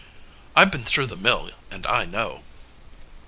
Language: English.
I've been through the mill, and I know."